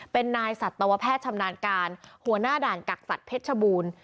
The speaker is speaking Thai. เป็นนายสัตวแพทย์ชำนาญการหัวหน้าด่านกักสัตว์เพชรชบูรณ์